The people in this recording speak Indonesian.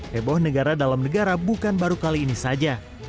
heboh negara dalam negara bukan baru kali ini saja